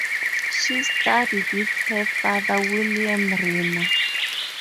She studied with her father William Rimmer.